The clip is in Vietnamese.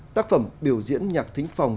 tác phẩm biểu diễn nhạc thính phòng